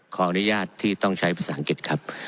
ขออนุญาตที่ต้องใช้ภาษาอังกฤษครับ